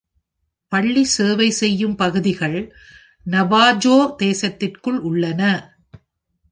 பள்ளி சேவை செய்யும் பகுதிகள் நவாஜோ தேசத்திற்குள் உள்ளன.